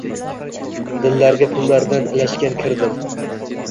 Dillarga pullardan ilashgan kirdir